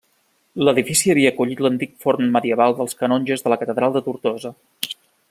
L'edifici havia acollit l'antic forn medieval dels canonges de la catedral de Tortosa.